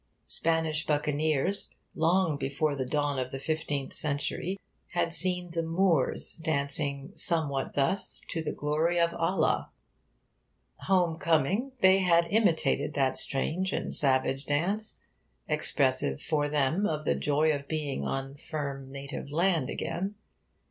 Spanish buccaneers, long before the dawn of the fifteenth century, had seen the Moors dancing somewhat thus to the glory of Allah. Home coming, they had imitated that strange and savage dance, expressive, for them, of the joy of being on firm native land again.